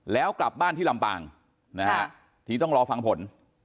แล้วกลับบ้านที่ลำปางนะฮะทีต้องรอฟังผล